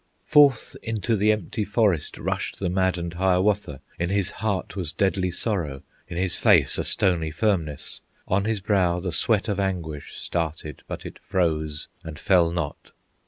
Forth into the empty forest Rushed the maddened Hiawatha; In his heart was deadly sorrow, In his face a stony firmness; On his brow the sweat of anguish Started, but it froze and fell not.